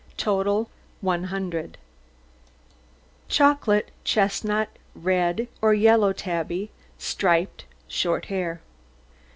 TOTAL 100 CHOCOLATE, CHESTNUT, RED, OR YELLOW TABBY, STRIPED, SHORT HAIR.